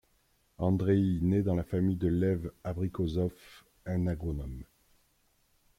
Andreï naît dans la famille de Lev Abrikossov, un agronome.